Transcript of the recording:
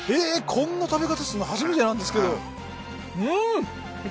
こんな食べ方するの初めてなんですけどうん！